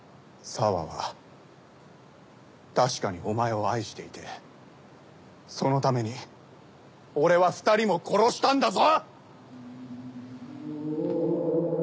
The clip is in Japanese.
沙和は確かにお前を愛していてそのために俺は２人も殺したんだぞ！